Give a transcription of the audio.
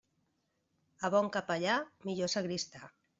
A bon capellà, millor sagristà.